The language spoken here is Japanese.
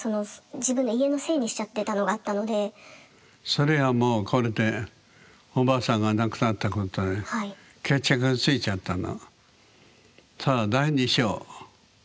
それはもうこれでおばあさんが亡くなったことで決着がついちゃったの。